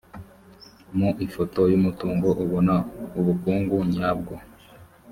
mu ifoto y’ umutungo ubona ubukungu nyabwo.